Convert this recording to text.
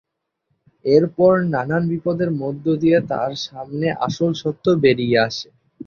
এর পর নানান বিপদের মধ্যদিয়ে তার সামনে আসল সত্য বেড়িয়ে আসে।